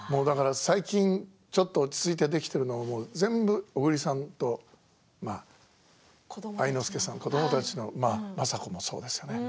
最近ちょっと落ち着いてできているのも全部、小栗さんと愛之助さん、子どもたちの政子もそうです。